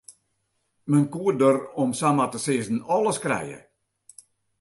Men koe der om samar te sizzen alles krije.